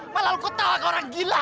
malah lu ketawa ke orang gila